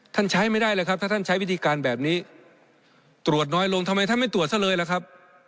ใช้ไม่ได้เลยครับถ้าท่านใช้วิธีการแบบนี้ตรวจน้อยลงทำไมท่านไม่ตรวจซะเลยล่ะครับ